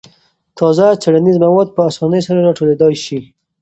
تازه څېړنیز مواد په اسانۍ سره راټولېدای شي.